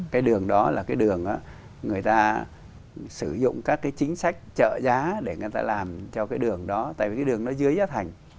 cái đường đó là cái đường người ta sử dụng các cái chính sách trợ giá để người ta làm cho cái đường đó tại vì cái đường đó dưới giá thành